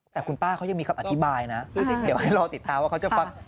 แต่คุณป้าเขายังมีคำอธิบายนะคือเดี๋ยวให้รอติดตามว่าเขาจะฟัง